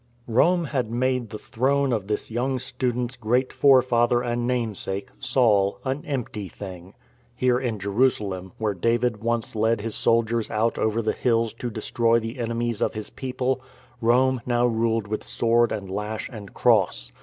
Rome had made the throne of this young student's great forefather and namesake, Saul, an empty thing. Here in Jerusalem, where David once led his soldiers out over the hills to destroy the enemies of his people, Rome now ruled with sword and lash and cross.